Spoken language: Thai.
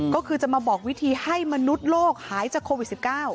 ก็คือจะมาบอกวิธีให้มนุษย์โลกหายจากโควิด๑๙